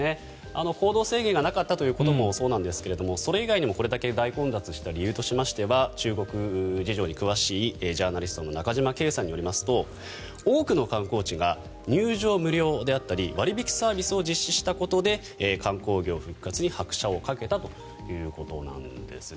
行動制限がなかったということもそうなんですがそれ以外にもこれだけ大混雑した理由については中国事情に詳しいジャーナリストの中島恵さんによりますと多くの観光地が入場無料であったり割引サービスを実施したことで観光業復活に拍車をかけたということなんですって。